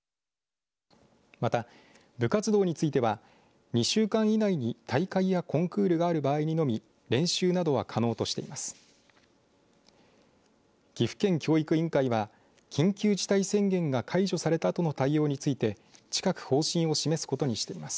また、部活動については２週間以内に大会やコンクールがある場合にのみ練習などは可能としています。